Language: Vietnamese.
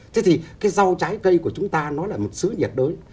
thế thì cái rau trái cây của chúng ta nó là một sứ nhiệt đới